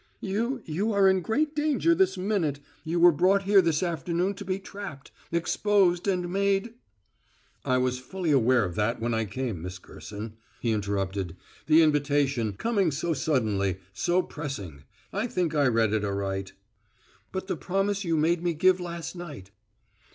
"You you are in great danger this minute. You were brought here this afternoon to be trapped exposed and made " "I was fully aware of that when I came, Miss Gerson," he interrupted. "The invitation, coming so suddenly so pressing I think I read it aright." "But the promise you made me give last night!"